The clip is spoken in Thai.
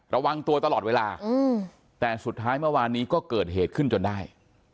ระวังตัวตลอดเวลาแต่สุดท้ายเมื่อวานนี้ก็เกิดเหตุขึ้นจนได้